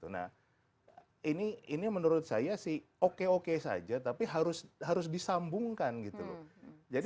nah ini menurut saya sih oke oke saja tapi harus disambungkan gitu loh